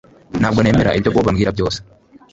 Ntabwo nemera ibyo Bobo ambwira byose